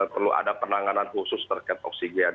perlu ada penanganan khusus terkait oksigen